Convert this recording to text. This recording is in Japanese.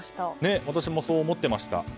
そう思っていました。